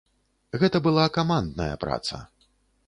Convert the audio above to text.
Гэта была камандная праца.